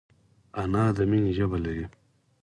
انا د مینې ژبه لري